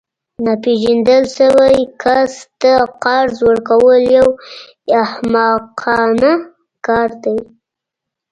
ناپیژندل شوي کس ته قرض ورکول یو احمقانه کار دی